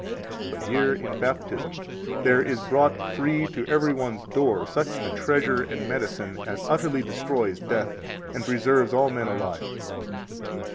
But here in Baptism there is brought free to every one's door such a treasure and medicine as utterly destroys death and preserves all men alive.